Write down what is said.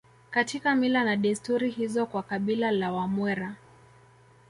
Katika mila na desturi hizo kwa kabila la Wamwera